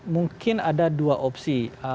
mungkin ada dua opsi